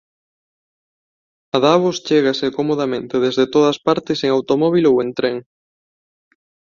A Davos chégase comodamente desde todas partes en automóbil ou en tren.